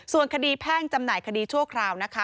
ส่วนคดีแพ่งจำหน่ายคดีชั่วคราวนะคะ